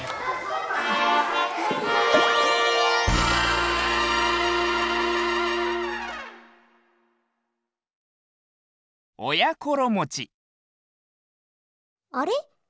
あれ？